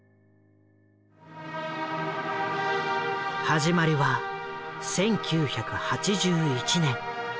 始まりは１９８１年。